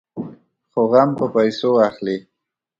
خو غم په پيسو اخلي.